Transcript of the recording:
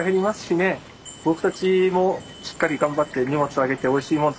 僕たちもしっかり頑張って荷物上げておいしいもの